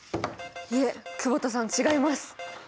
いえ久保田さん違います。